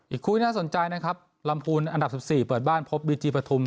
คู่ที่น่าสนใจนะครับลำพูนอันดับ๑๔เปิดบ้านพบบีจีปฐุม